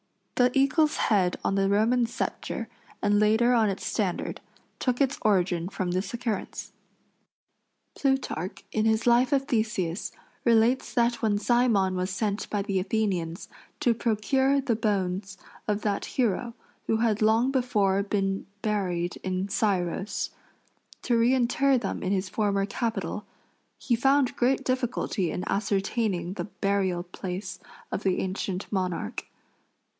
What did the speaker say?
The eagle's head on the Roman sceptre, and later on its standard, took its origin from this occurrence. Plutarch, in his life of Theseus, relates that when Cymon was sent by the Athenians to procure the bones of that hero, who had long before been buried in Scyros, to reinter them in his former capital, he found great difficulty in ascertaining the burial place of the ancient monarch.